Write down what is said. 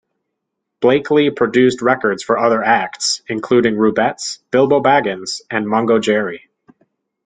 Blakley produced records for other acts, including the Rubettes, Bilbo Baggins and Mungo Jerry.